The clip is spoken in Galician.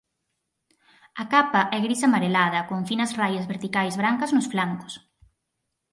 A capa é gris amarelada con finas raias verticais brancas nos flancos.